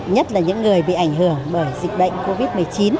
nhất là những người bị ảnh hưởng bởi dịch bệnh covid một mươi chín